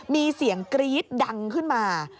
มีเสียงกรี๊ดดังขึ้นมา